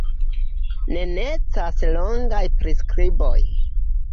Ne necesas longaj priskriboj.